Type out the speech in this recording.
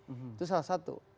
itu salah satu